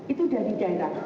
itu dari daerah